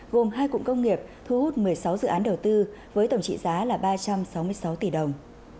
gồm hai cụm công nghiệp thu hút một mươi sáu dự án đầu tư với tổng trị giá là ba trăm sáu mươi sáu tỷ đồng